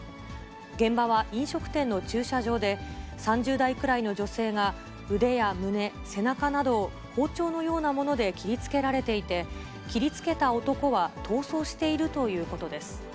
現場は飲食店の駐車場で、３０代くらいの女性が、腕や胸、背中などを包丁のようなもので切りつけられていて、切りつけた男は逃走しているということです。